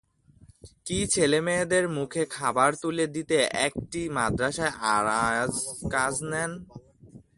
কি ছেলেমেয়েদের মুখে খাবার তুলে দিতে একটি মাদ্রাসায় আয়ার কাজ নেন?